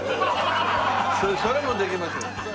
それもできません。